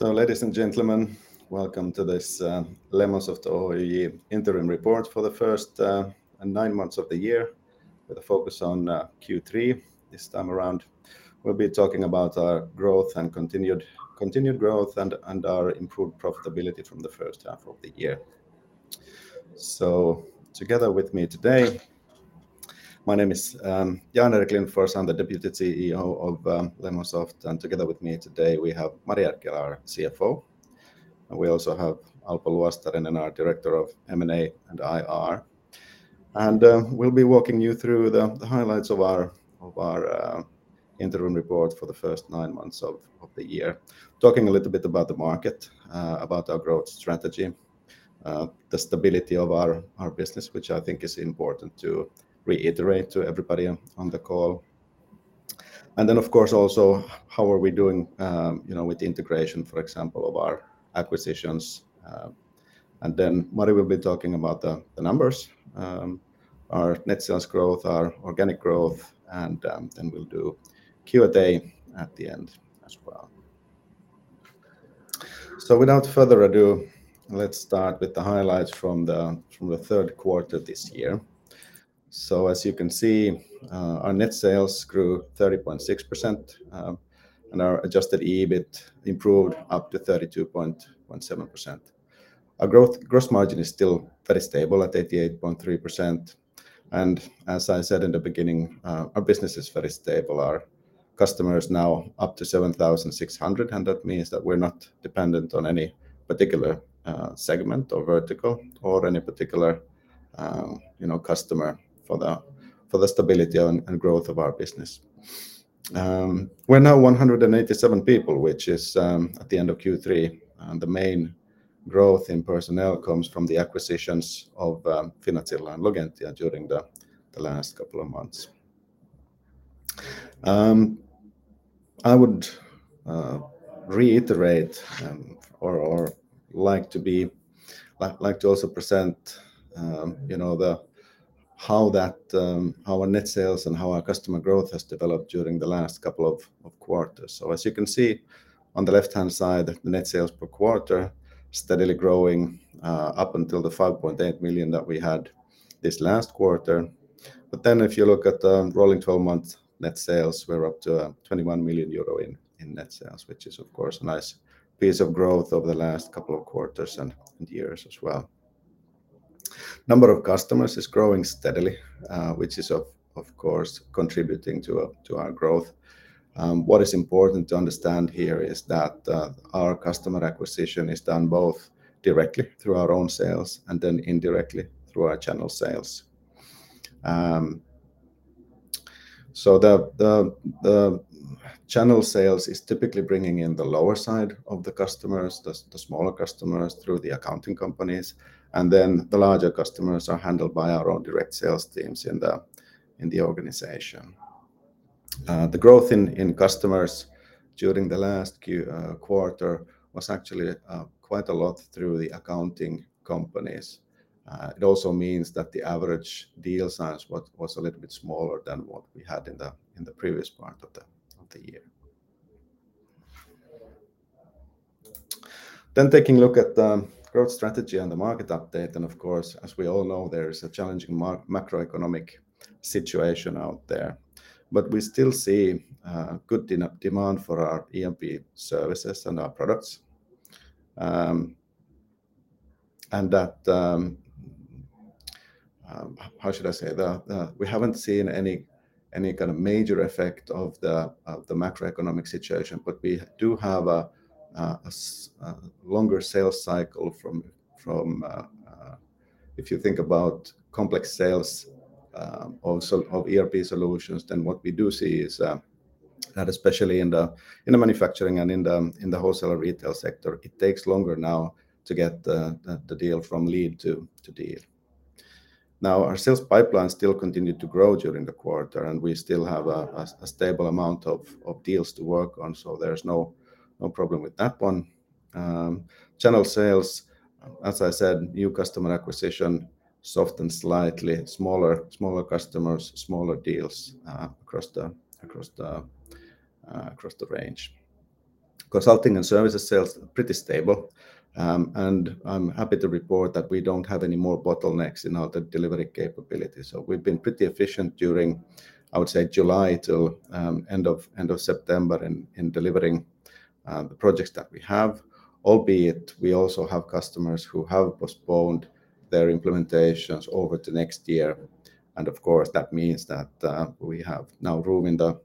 Ladies and gentlemen, welcome to this Lemonsoft Oyj interim report for the first nine months of the year with a focus on Q3 this time around. We'll be talking about our growth and continued growth and our improved profitability from the first half of the year. Together with me today my name is Jan-Erik Lindfors. I'm the Deputy CEO of Lemonsoft. Together with me today we have Mari Erkkilä, our CFO. We also have Alpo Luostarinen, our Director of M&A and IR. We'll be walking you through the highlights of our interim report for the first nine months of the year. Talking a little bit about the market, about our growth strategy, the stability of our business, which I think is important to reiterate to everybody on the call. Of course, also how are we doing, you know, with the integration, for example, of our acquisitions. Mari will be talking about the numbers, our net sales growth, our organic growth, and then we'll do Q&A at the end as well. Without further ado, let's start with the highlights from the third quarter this year. As you can see, our net sales grew 30.6%, and our adjusted EBIT improved up to 32.17%. Our gross margin is still very stable at 88.3%. As I said in the beginning, our business is very stable. Our customers now up to 7,600, and that means that we're not dependent on any particular segment or vertical or any particular, you know, customer for the stability and growth of our business. We're now 187 people, which is at the end of Q3. The main growth in personnel comes from the acquisitions of Finazilla and Logentia during the last couple of months. I would like to also present you know, how our net sales and how our customer growth has developed during the last couple of quarters. As you can see on the left-hand side, the net sales per quarter steadily growing up until the 5.8 million that we had this last quarter. If you look at the rolling 12-month net sales, we're up to 21 million euro in net sales, which is of course a nice piece of growth over the last couple of quarters and years as well. Number of customers is growing steadily, which is of course contributing to our growth. What is important to understand here is that our customer acquisition is done both directly through our own sales and then indirectly through our channel sales. The channel sales is typically bringing in the lower side of the customers, the smaller customers through the accounting companies, and then the larger customers are handled by our own direct sales teams in the organization. The growth in customers during the last quarter was actually quite a lot through the accounting companies. It also means that the average deal size was a little bit smaller than what we had in the previous part of the year. Taking a look at the growth strategy and the market update, and of course, as we all know, there is a challenging macroeconomic situation out there. We still see good demand for our ERP services and our products. That, how should I say? We haven't seen any kind of major effect of the macroeconomic situation. We do have a longer sales cycle from if you think about complex sales also of ERP solutions, then what we do see is that especially in the manufacturing and in the wholesaler retail sector, it takes longer now to get the deal from lead to deal. Our sales pipeline still continued to grow during the quarter, and we still have a stable amount of deals to work on. There's no problem with that one. Channel sales, as I said, new customer acquisition softened slightly. Smaller customers, smaller deals across the range. Consulting and services sales, pretty stable. I'm happy to report that we don't have any more bottlenecks in our delivery capability. We've been pretty efficient during, I would say, July to end of September in delivering the projects that we have. Albeit we also have customers who have postponed their implementations over to next year. Of course, that means that we now have room in the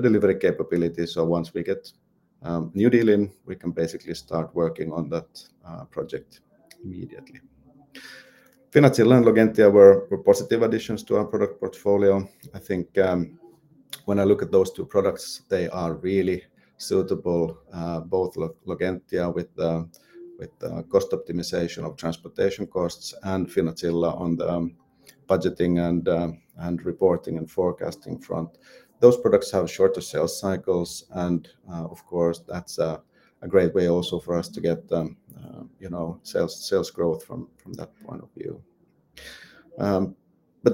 delivery capability, so once we get new deal in, we can basically start working on that project immediately. Finazilla and Logentia were positive additions to our product portfolio. I think when I look at those two products, they are really suitable. Both Logentia with the cost optimization of transportation costs and Finazilla on the budgeting and reporting and forecasting front. Those products have shorter sales cycles and, of course that's a great way also for us to get, you know, sales growth from that point of view.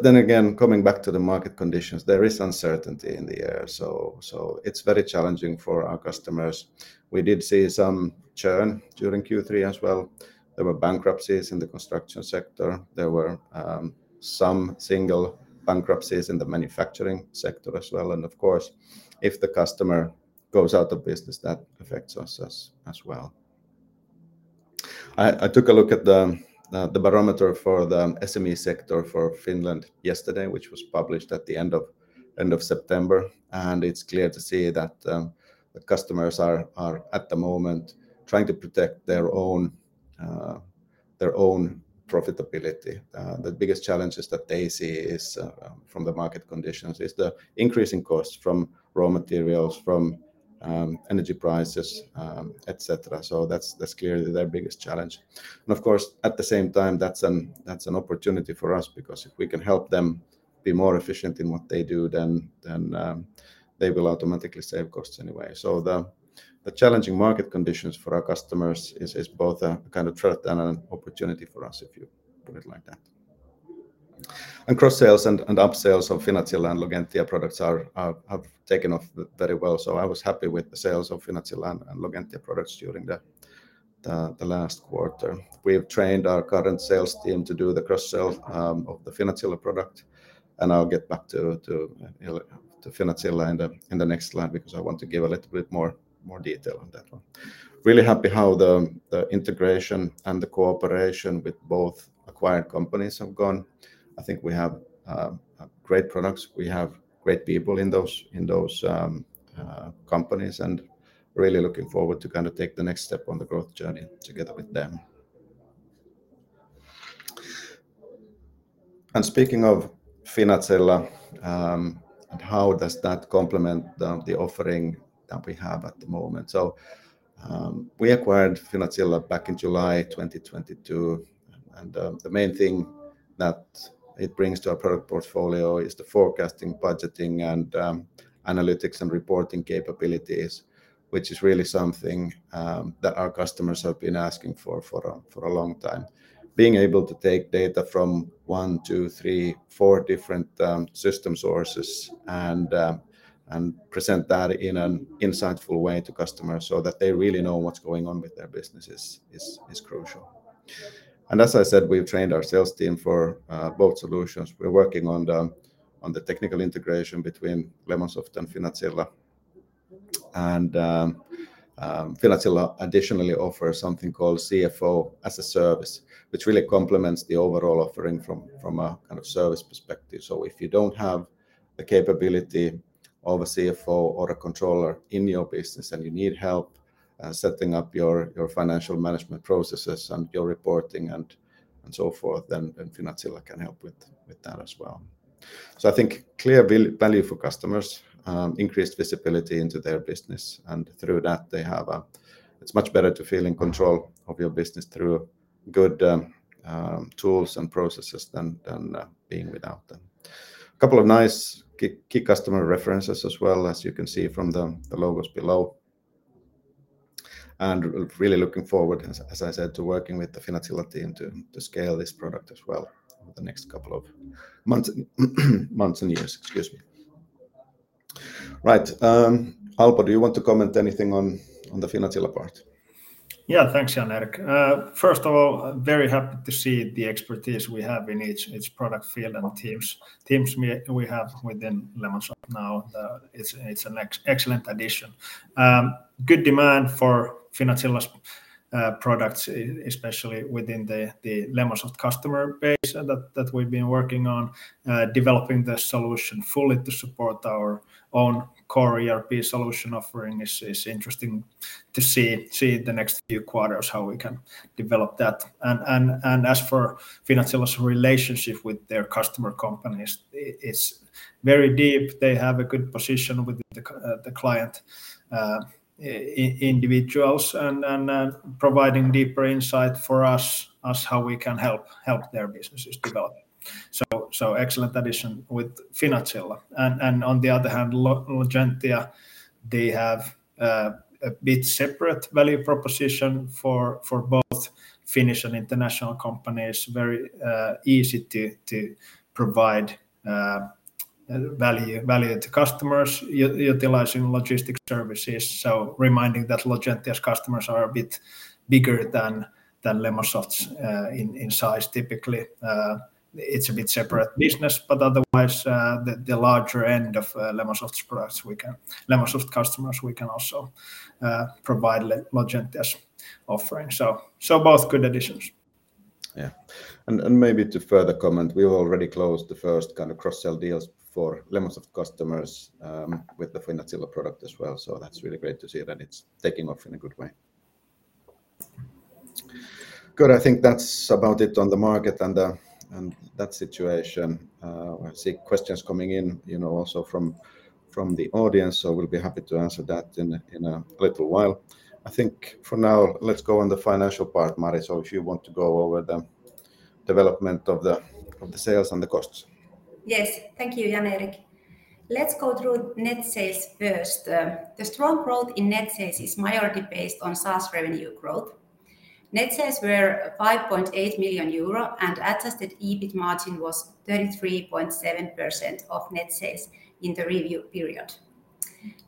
Coming back to the market conditions, there is uncertainty in the air. It's very challenging for our customers. We did see some churn during Q3 as well. There were bankruptcies in the construction sector. There were some single bankruptcies in the manufacturing sector as well. Of course, if the customer goes out of business, that affects us as well. I took a look at the barometer for the SME sector for Finland yesterday, which was published at the end of September. It's clear to see that the customers are at the moment trying to protect their own profitability. The biggest challenges that they see is from the market conditions is the increasing cost from raw materials, from energy prices, et cetera. That's clearly their biggest challenge. Of course at the same time, that's an opportunity for us because if we can help them be more efficient in what they do, then they will automatically save costs anyway. The challenging market conditions for our customers is both a kind of threat and an opportunity for us, if you put it like that. Cross sales and up sales of Finazilla and Logentia products have taken off very well. I was happy with the sales of Finazilla and Logentia products during the last quarter. We have trained our current sales team to do the cross sell of the Finazilla product. I'll get back to Finazilla in the next slide because I want to give a little bit more detail on that one. Really happy how the integration and the cooperation with both acquired companies have gone. I think we have great products. We have great people in those companies and really looking forward to kind of take the next step on the growth journey together with them. Speaking of Finazilla, and how does that complement the offering that we have at the moment? We acquired Finazilla back in July 2022, and the main thing that it brings to our product portfolio is the forecasting, budgeting and analytics and reporting capabilities, which is really something that our customers have been asking for for a long time. Being able to take data from one, two, three, four different system sources and present that in an insightful way to customers so that they really know what's going on with their business is crucial. As I said, we've trained our sales team for both solutions. We're working on the technical integration between Lemonsoft and Finazilla. Finazilla additionally offers something called CFO as a service, which really complements the overall offering from a kind of service perspective. If you don't have the capability of a CFO or a controller in your business and you need help setting up your financial management processes and your reporting and so forth, then Finazilla can help with that as well. I think clear value for customers, increased visibility into their business, and through that they have. It's much better to feel in control of your business through good tools and processes than being without them. Couple of nice key customer references as well as you can see from the logos below. Really looking forward, as I said, to working with the Finazilla team to scale this product as well over the next couple of months and years. Excuse me. Right. Alpo, do you want to comment anything on the Finazilla part? Yeah. Thanks, Jan-Erik. First of all, very happy to see the expertise we have in each product field and teams we have within Lemonsoft now. It's an excellent addition. Good demand for Finazilla's products especially within the Lemonsoft customer base that we've been working on. Developing the solution fully to support our own core ERP solution offering is interesting to see the next few quarters how we can develop that. As for Finazilla's relationship with their customer companies, it's very deep. They have a good position with the client individuals and providing deeper insight for us how we can help their businesses develop. Excellent addition with Finazilla. On the other hand, Logentia, they have a bit separate value proposition for both Finnish and international companies. Very easy to provide value to customers utilizing logistics services. Reminding that Logentia's customers are a bit bigger than Lemonsoft's in size. Typically, it's a bit separate business, but otherwise, the larger end of Lemonsoft's customers we can also provide Logentia's offering. Both good additions. Yeah. Maybe to further comment, we've already closed the first kind of cross sell deals for Lemonsoft customers with the Finazilla product as well. That's really great to see that it's taking off in a good way. Good. I think that's about it on the market and that situation. I see questions coming in, you know, also from the audience, so we'll be happy to answer that in a little while. I think for now let's go on the financial part, Mari. If you want to go over the development of the sales and the costs. Yes. Thank you, Jan-Erik. Let's go through net sales first. The strong growth in net sales is majority based on SaaS revenue growth. Net sales were 5.8 million euro and adjusted EBIT margin was 33.7% of net sales in the review period.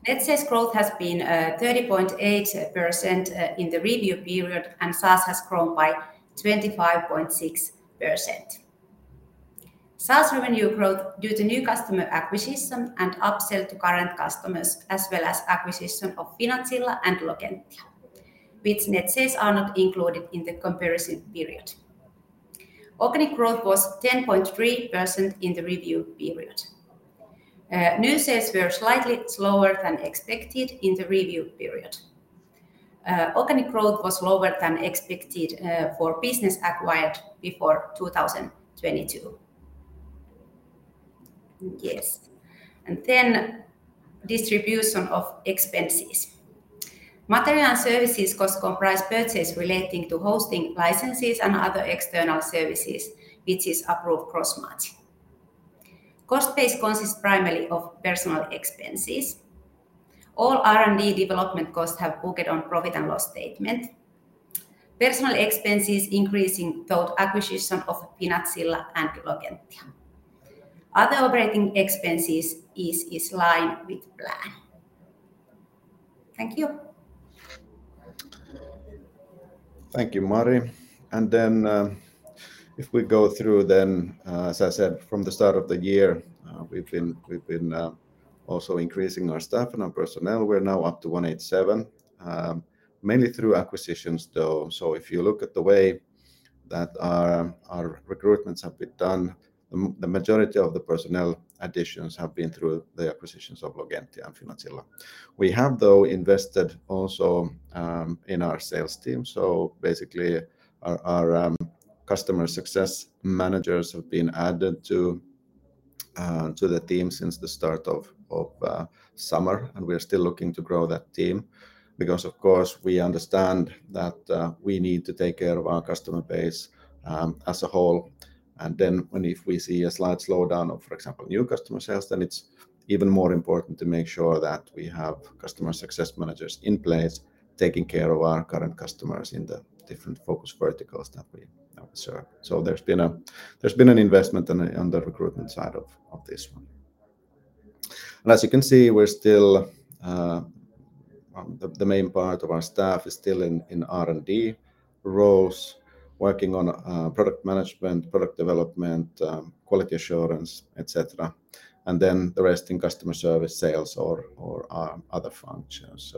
Net sales growth has been 30.8% in the review period and SaaS has grown by 25.6%. SaaS revenue growth due to new customer acquisition and upsell to current customers, as well as acquisition of Finazilla and Logentia, which net sales are not included in the comparison period. Organic growth was 10.3% in the review period. New sales were slightly slower than expected in the review period. Organic growth was lower than expected for business acquired before 2022. Yes. Distribution of expenses. Material and services cost comprise purchases relating to hosting licenses and other external services, which is approved cross-match. Cost base consists primarily of personnel expenses. All R&D development costs have booked on profit and loss statement. Personnel expenses increasing through acquisition of Finazilla and Logentia. Other operating expenses is in line with plan. Thank you. Thank you, Mari. If we go through then, as I said, from the start of the year, we've been also increasing our staff and our personnel. We're now up to 187, mainly through acquisitions though. If you look at the way that our recruitments have been done, the majority of the personnel additions have been through the acquisitions of Logentia and Finazilla. We have, though, invested also in our sales team. Basically our customer success managers have been added to the team since the start of summer, and we're still looking to grow that team because of course we understand that we need to take care of our customer base as a whole. When, if we see a slight slowdown of, for example, new customer sales, then it's even more important to make sure that we have customer success managers in place taking care of our current customers in the different focus verticals that we observe. There's been an investment on the recruitment side of this one. As you can see, we're still the main part of our staff is still in R&D roles working on product management, product development, quality assurance, et cetera. The rest in customer service, sales or other functions.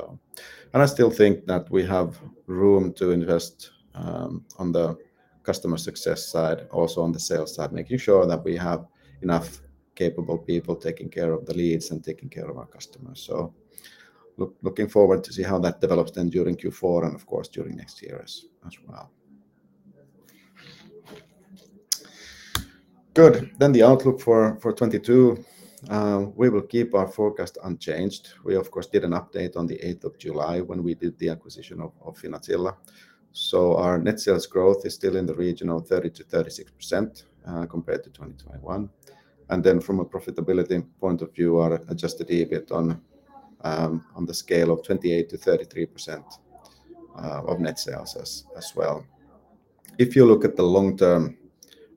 I still think that we have room to invest on the customer success side, also on the sales side, making sure that we have enough capable people taking care of the leads and taking care of our customers. Looking forward to see how that develops then during Q4 and of course during next year as well. The outlook for 2022. We will keep our forecast unchanged. We of course did an update on the eighth of July when we did the acquisition of Finazilla. Our net sales growth is still in the region of 30%-36%, compared to 2021. From a profitability point of view, our adjusted EBIT on the scale of 28%-33% of net sales as well. If you look at the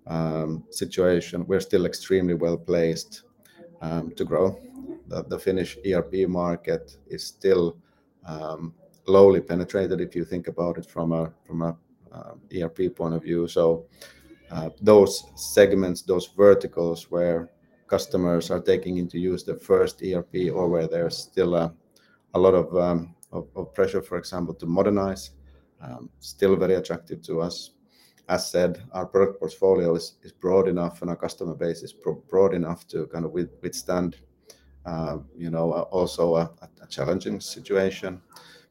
long-term situation, we're still extremely well-placed to grow. The Finnish ERP market is still low penetration if you think about it from a ERP point of view. Those segments, those verticals where customers are taking into use their first ERP or where there's still a lot of pressure, for example, to modernize, still very attractive to us. As said, our product portfolio is broad enough and our customer base is broad enough to kind of withstand, you know, also a challenging situation.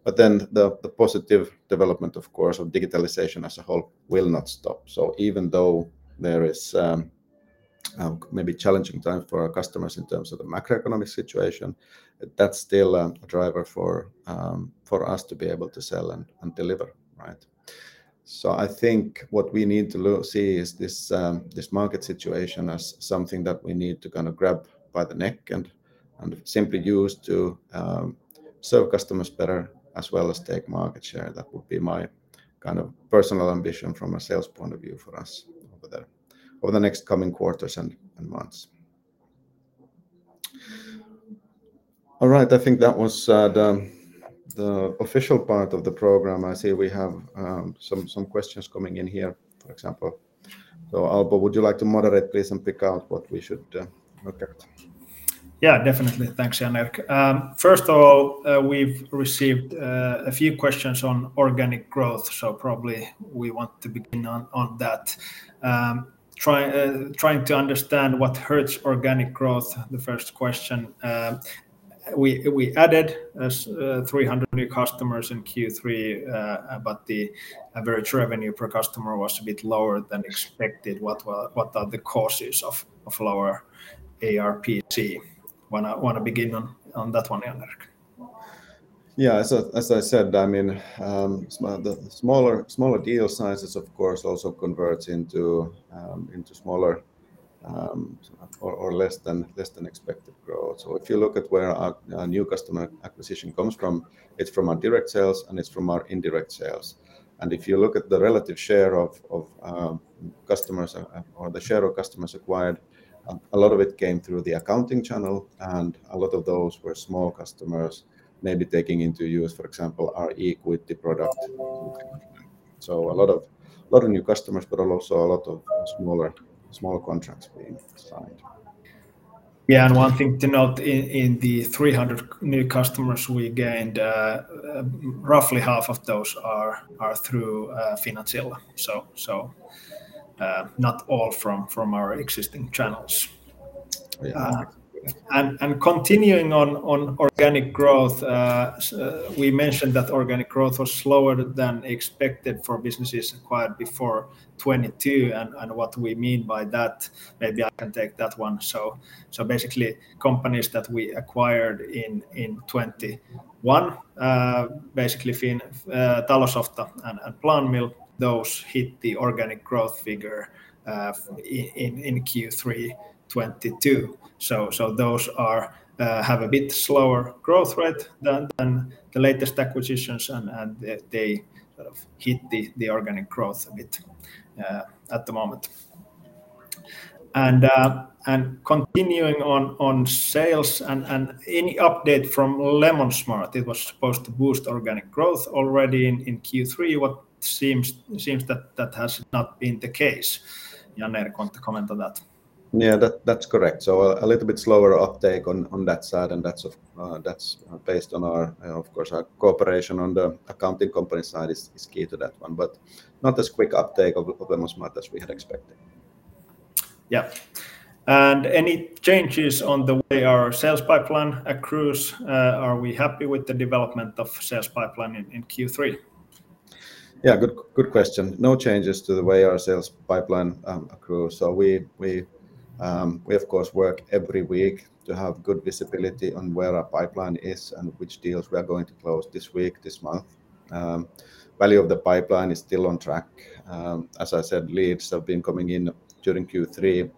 The positive development of course of digitalization as a whole will not stop. Even though there is maybe challenging time for our customers in terms of the macroeconomic situation, that's still a driver for us to be able to sell and deliver, right? I think what we need to see is this market situation as something that we need to kind of grab by the neck and simply use to serve customers better as well as take market share. That would be my kind of personal ambition from a sales point of view for us over the next coming quarters and months. All right. I think that was the official part of the program. I see we have some questions coming in here, for example. Alpo, would you like to moderate please and pick out what we should look at? Yeah, definitely. Thanks, Jan-Erik. First of all, we've received a few questions on organic growth, so probably we want to begin on that. Trying to understand what hurts organic growth, the first question. We added 300 new customers in Q3, but the average revenue per customer was a bit lower than expected. What are the causes of lower ARPU? Wanna begin on that one, Jan-Erik? Yeah, as I said, I mean, the smaller deal sizes of course also converts into smaller or less than expected growth. If you look at where our new customer acquisition comes from, it's from our direct sales and it's from our indirect sales. If you look at the relative share of customers or the share of customers acquired, a lot of it came through the accounting channel, and a lot of those were small customers maybe taking into use, for example, our eKuitti product. A lot of new customers, but also a lot of smaller contracts being signed. One thing to note in the 300 new customers we gained, roughly half of those are through Finazilla. Not all from our existing channels. Yeah. Continuing on organic growth, we mentioned that organic growth was slower than expected for businesses acquired before 2022. What we mean by that, maybe I can take that one. Basically companies that we acquired in 2021, Finazilla, Talosofta and PlanMill, those hit the organic growth figure in Q3 2022. Those have a bit slower growth rate than the latest acquisitions and they sort of hit the organic growth a bit at the moment. Continuing on sales and any update from LemonSmart, it was supposed to boost organic growth already in Q3. It seems that has not been the case. Janne want to comment on that? Yeah, that's correct. A little bit slower uptake on that side, and that's based on our cooperation on the accounting company side, of course, is key to that one, but not as quick uptake of LemonSmart as we had expected. Yeah. Any changes on the way our sales pipeline accrues? Are we happy with the development of sales pipeline in Q3? Yeah. Good question. No changes to the way our sales pipeline accrue. We of course work every week to have good visibility on where our pipeline is and which deals we are going to close this week, this month. Value of the pipeline is still on track. As I said, leads have been coming in during Q3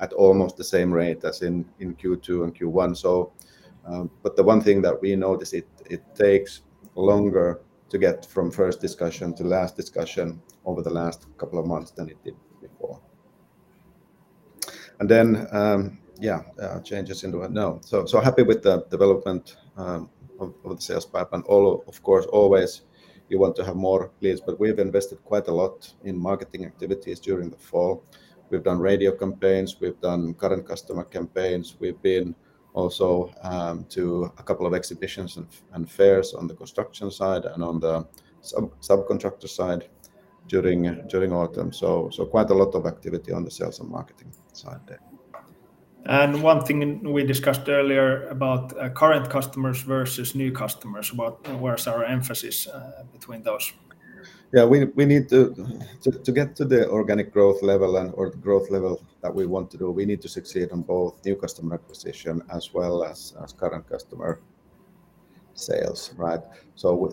at almost the same rate as in Q2 and Q1. But the one thing that we notice, it takes longer to get from first discussion to last discussion over the last couple of months than it did before. Happy with the development of the sales pipeline. Of course, always you want to have more leads, but we've invested quite a lot in marketing activities during the fall. We've done radio campaigns, we've done current customer campaigns, we've been also to a couple of exhibitions and fairs on the construction side and on the subcontractor side during autumn. Quite a lot of activity on the sales and marketing side there. One thing we discussed earlier about current customers versus new customers, where's our emphasis between those? Yeah. We need to get to the organic growth level or growth level that we want to do. We need to succeed on both new customer acquisition as well as current customer sales, right?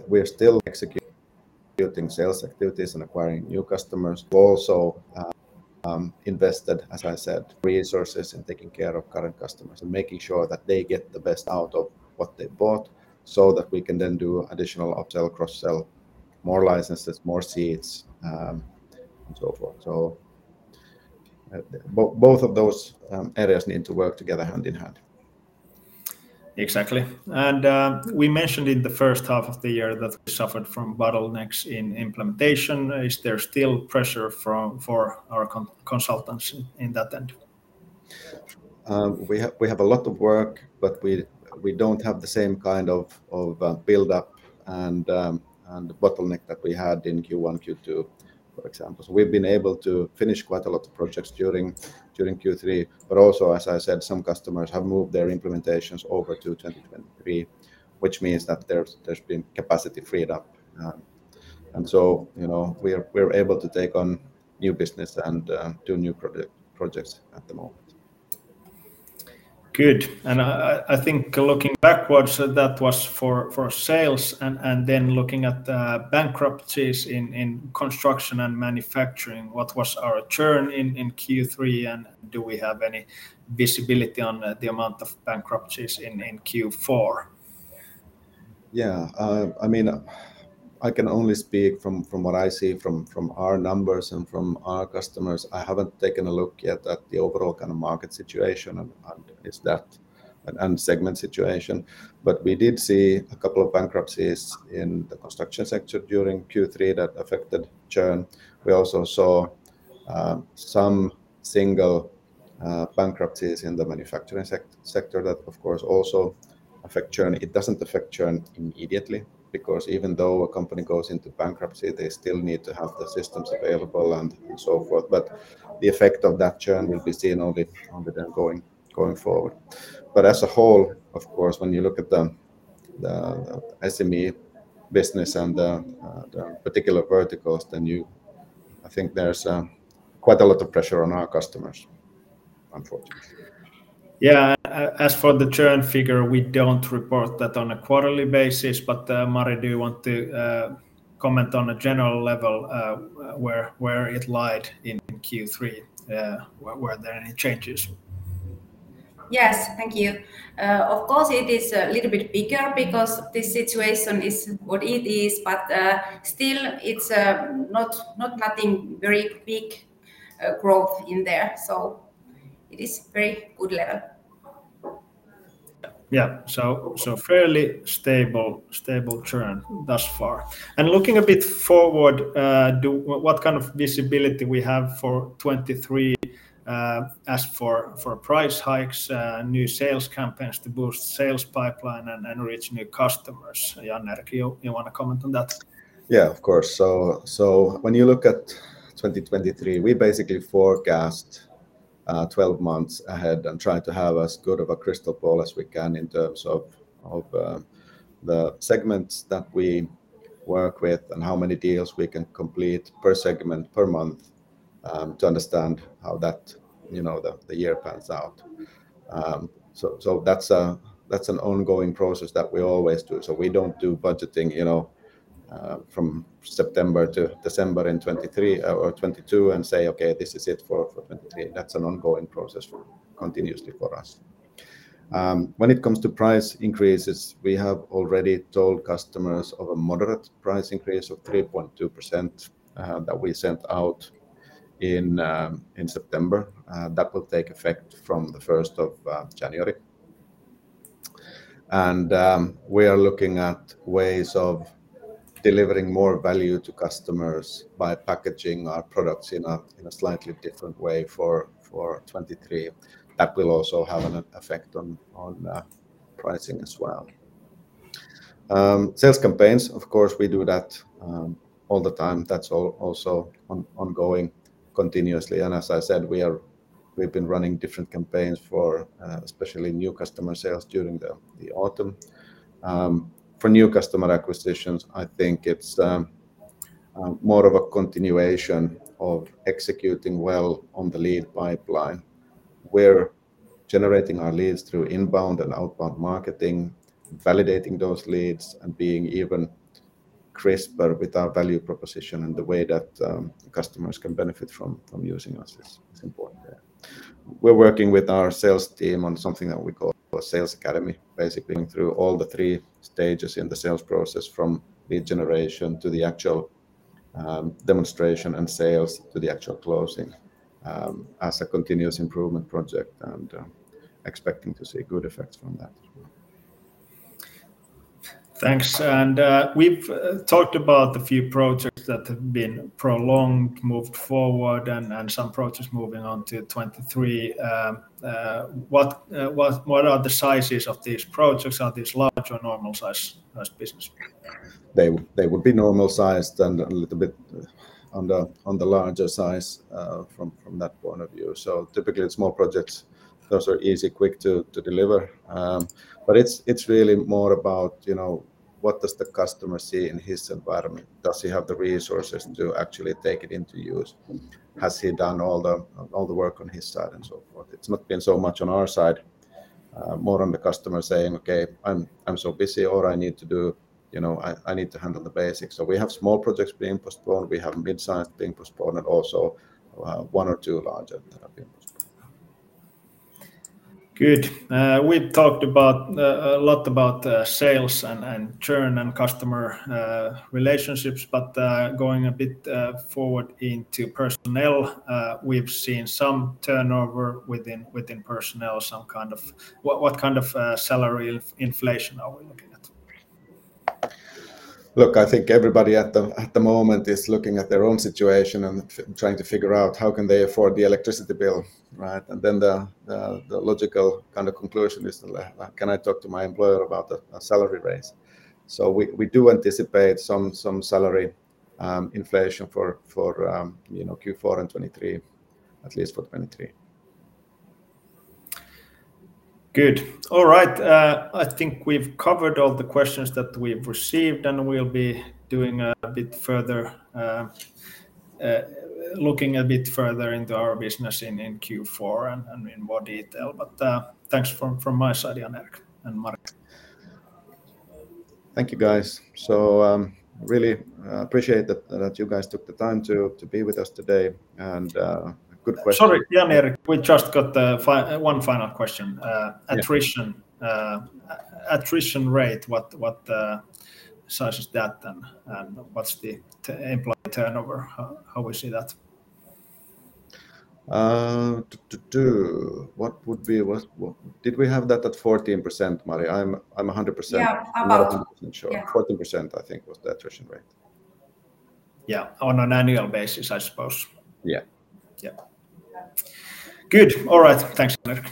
We're still executing sales activities and acquiring new customers, but also invested, as I said, resources in taking care of current customers and making sure that they get the best out of what they bought so that we can then do additional upsell, cross-sell, more licenses, more seats, and so forth. Both of those areas need to work together hand in hand. Exactly. We mentioned in the first half of the year that we suffered from bottlenecks in implementation. Is there still pressure for our consultants in that end? We have a lot of work, but we don't have the same kind of buildup and bottleneck that we had in Q1, Q2, for example. We've been able to finish quite a lot of projects during Q3. Also, as I said, some customers have moved their implementations over to 2023, which means that there's been capacity freed up. You know, we're able to take on new business and do new projects at the moment. Good. I think looking backwards, that was for sales and then looking at the bankruptcies in construction and manufacturing, what was our churn in Q3, and do we have any visibility on the amount of bankruptcies in Q4? Yeah. I mean, I can only speak from what I see from our numbers and from our customers. I haven't taken a look yet at the overall kind of market situation and segment situation. We did see a couple of bankruptcies in the construction sector during Q3 that affected churn. We also saw some single bankruptcies in the manufacturing sector that of course also affect churn. It doesn't affect churn immediately because even though a company goes into bankruptcy, they still need to have the systems available and so forth. The effect of that churn will be seen only then going forward. As a whole, of course, when you look at the SME business and the particular verticals, then you I think there's quite a lot of pressure on our customers. Unfortunately. Yeah. As for the churn figure, we don't report that on a quarterly basis, but Mari, do you want to comment on a general level, where it lay in Q3? Were there any changes? Yes. Thank you. Of course, it is a little bit bigger because the situation is what it is, but still it's not nothing very big growth in there, so it is very good level. Yeah. Fairly stable churn thus far. Looking a bit forward, what kind of visibility we have for 2023, as for price hikes, new sales campaigns to boost sales pipeline and reach new customers? Jan-Erik Lindfors, you wanna comment on that? Yeah, of course. When you look at 2023, we basically forecast 12 months ahead and try to have as good of a crystal ball as we can in terms of the segments that we work with and how many deals we can complete per segment per month to understand how that, you know, the year pans out. That's an ongoing process that we always do. We don't do budgeting, you know, from September to December in 2023 or 2022 and say, "Okay, this is it for 2023." That's an ongoing process continuously for us. When it comes to price increases, we have already told customers of a moderate price increase of 3.2% that we sent out in September that will take effect from the 1st of January. We are looking at ways of delivering more value to customers by packaging our products in a slightly different way for 2023. That will also have an effect on pricing as well. Sales campaigns, of course, we do that all the time. That's also ongoing continuously. As I said, we've been running different campaigns for especially new customer sales during the autumn. For new customer acquisitions, I think it's more of a continuation of executing well on the lead pipeline. We're generating our leads through inbound and outbound marketing, validating those leads, and being even crisper with our value proposition and the way that customers can benefit from using us is important there. We're working with our sales team on something that we call Sales Academy, basically through all the three stages in the sales process from lead generation to the actual, demonstration and sales to the actual closing, as a continuous improvement project and, expecting to see good effects from that as well. Thanks. We've talked about the few projects that have been prolonged, moved forward and some projects moving on to 2023. What are the sizes of these projects? Are these large or normal size as business? They would be normal sized and a little bit on the larger size from that point of view. Typically, it's small projects. Those are easy, quick to deliver. It's really more about, you know, what does the customer see in his environment? Does he have the resources to actually take it into use? Has he done all the work on his side and so forth? It's not been so much on our side, more on the customer saying, "Okay, I'm so busy," or, "I need to do. You know, I need to handle the basics." We have small projects being postponed. We have midsize being postponed and also one or two larger that are being postponed now. Good. We've talked about a lot about sales and churn and customer relationships. Going a bit forward into personnel, we've seen some turnover within personnel. What kind of salary inflation are we looking at? Look, I think everybody at the moment is looking at their own situation and trying to figure out how they can afford the electricity bill, right? The logical kind of conclusion is, "Well, can I talk to my employer about a salary raise?" We do anticipate some salary inflation for you know, Q4 and 2023, at least for 2023. Good. All right. I think we've covered all the questions that we've received, and we'll be looking a bit further into our business in Q4 and in more detail. Thanks from my side, Jan-Erik Lindfors and Mari Erkkilä. Thank you, guys. Really appreciate that you guys took the time to be with us today and good questions. Sorry, Jan-Erik Lindfors, we just got one final question. Yeah. Attrition rate, what size is that then, and what's the employee turnover? How we see that? Did we have that at 14%, Mari? I'm 100%. Yeah. About 100% sure. Yeah. Fourteen percent, I think, was the attrition rate. Yeah. On an annual basis, I suppose. Yeah. Yeah. Good. All right. Thanks, Jan-Erik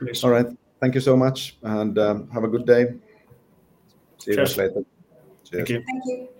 Lindfors. All right. Thank you so much and have a good day. See you later. Cheers. Cheers. Thank you. Thank you.